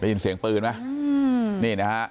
ได้ยินเสียงปืนไหม